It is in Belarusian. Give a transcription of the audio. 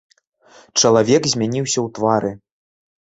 Чалавек змяніўся ў твары.